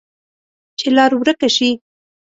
چې لار ورکه شي،